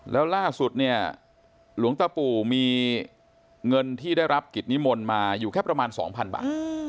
แล้วล่าสุดเนี่ยหลวงตาปู่มีเงินที่ได้รับกิจนิมนต์มาอยู่แค่ประมาณ๒๐๐บาท